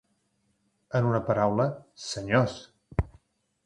En una paraula, senyors